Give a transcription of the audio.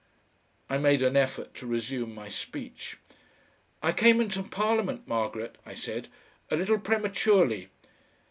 I made an effort to resume my speech. "I came into Parliament, Margaret," I said, "a little prematurely.